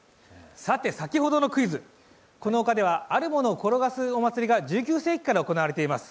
さて、先ほどのクイズ、この丘ではあるものを転がすお待ちリが１９世紀から行われています。